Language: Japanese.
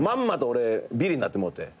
俺ビリになってもうて。